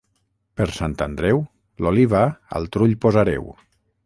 Per Sant Andreu, l'oliva al trull posareu.